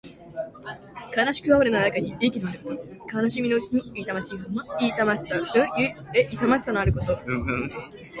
悲しく哀れな中にも意気のあること。悲しみのうちにも痛ましいほどの勇ましさのあること。